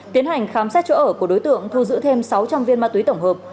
tiến hành khám xét chỗ ở của đối tượng thu giữ thêm sáu trăm linh viên ma túy tổng hợp